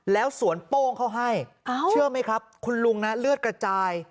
แล้วสวนโป้งเขาให้เชื่อไหมครับคุณลุงนะเลือดกระจาย